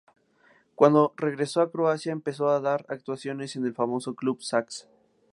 Cuando regresó a Croacia, empezó a dar actuaciones en el famoso Klub Sax!